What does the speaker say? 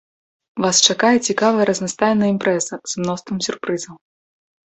Вас чакае цікавая разнастайная імпрэза з мноствам сюрпрызаў.